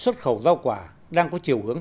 xuất khẩu giao quả đang có chiều hướng